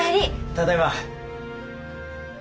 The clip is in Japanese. ただいま。